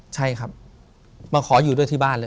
ใช่ครับมาขออยู่ด้วยที่บ้านเลย